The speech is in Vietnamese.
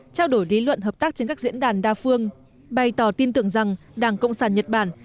trao đổi lý luận hợp tác trên các diễn đàn đa phương bày tỏ tin tưởng rằng đảng cộng sản nhật bản